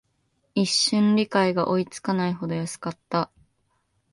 一瞬、理解が追いつかないほど安かった